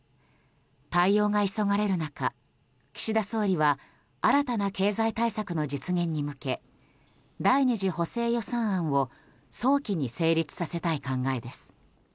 対応が急がれる中、岸田総理は新たな経済対策の実現に向け第２次補正予算案を早期に成立させたい考えです。